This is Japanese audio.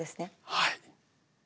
はい。